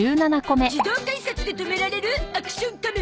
「自動改札で止められるアクション仮面」。